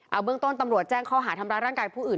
เอาเบื้องต้นตำรวจแจ้งข้อหาทำร้ายร่างกายผู้อื่น